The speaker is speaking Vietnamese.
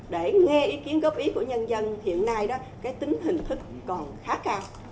để nghe ý kiến góp ý của nhân dân hiện nay đó cái tính hình thức còn khá cao